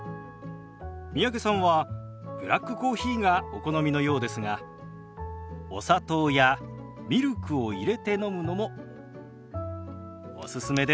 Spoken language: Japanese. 三宅さんはブラックコーヒーがお好みのようですがお砂糖やミルクを入れて飲むのもおすすめです。